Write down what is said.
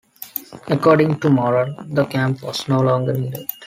According to Morel, the camp was no longer needed.